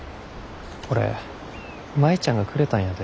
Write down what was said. これ舞ちゃんがくれたんやで。